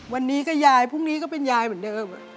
วันนี้ก็ยายพรุ่งนี้ก็เป็นยายเหมือนเดิม